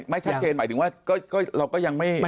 ไม่ชัดเจนหมายถึงว่าเราก็ยังไม่